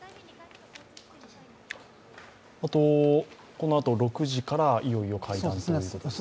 このあと６時からいよいよ会談ということですね。